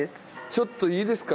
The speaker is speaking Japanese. ちょっといいですか？